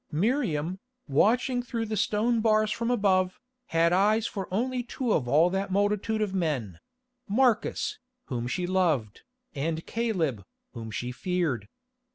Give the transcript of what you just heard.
Miriam, watching through the stone bars from above, had eyes for only two of all that multitude of men—Marcus, whom she loved, and Caleb, whom she feared.